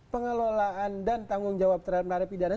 pengelolaan dan tanggung jawab terhadap narapidana